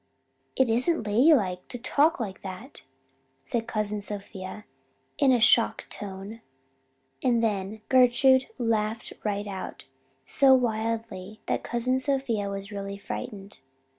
"'It isn't ladylike to talk like that,' said Cousin Sophia in a shocked tone; and then Gertrude laughed right out, so wildly that Cousin Sophia was really frightened.